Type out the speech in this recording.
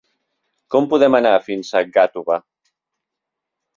Com podem anar fins a Gàtova?